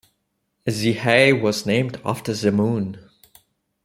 The Hay was named after The Moon.